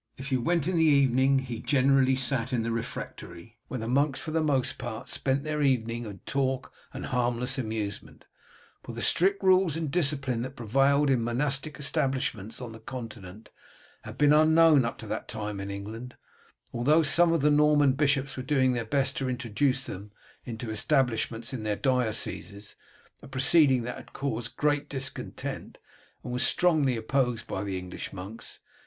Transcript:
If he went in the evening he generally sat in the refectory, where the monks for the most part spent their evening in talk and harmless amusement, for the strict rules and discipline that prevailed in monastic establishments on the Continent had been unknown up to that time in England, although some of the Norman bishops were doing their best to introduce them into the establishments in their dioceses, a proceeding that caused great discontent, and was strongly opposed by the English monks.